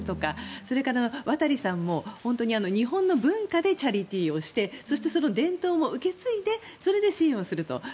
それから和多利さんも日本の文化でチャリティーをしてそしてその伝統も受け継いでそれで支援をすると。